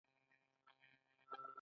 ایا زه باید ملهم وکاروم؟